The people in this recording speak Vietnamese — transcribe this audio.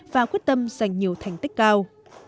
và quyết tâm giành nhiều thành tích cao